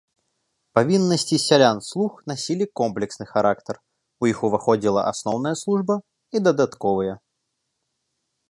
Павіннасці сялян-слуг насілі комплексны характар, у іх уваходзіла асноўная служба і дадатковыя.